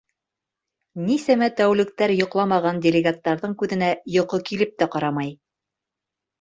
Нисәмә тәүлектәр йоҡламаған делегаттарҙың күҙенә йоҡо килеп тә ҡарамай.